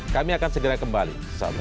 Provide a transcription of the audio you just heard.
kami akan segera kembali